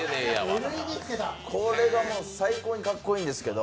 これがもう、最高にかっこいいんですけど。